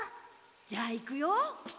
じゃあいくよ。